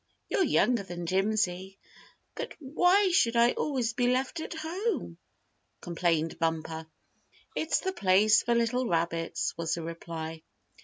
You're younger than Jimsy." "But why should I always be left at home?" complained Bumper. "It's the place for little rabbits," was the reply.